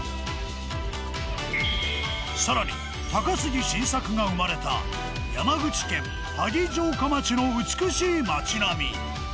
更に高杉晋作が生まれた山口県萩城下町の美しい町並み。